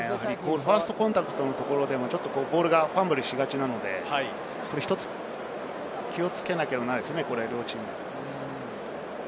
ファーストコンタクトのところでもボールがファンブルしがちなので、気をつけなければならないですね、両チーム。